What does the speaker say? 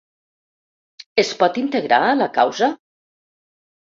Es pot integrar a la causa?